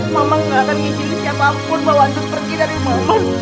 mama gak akan izin siapapun bahwa itu pergi dari mama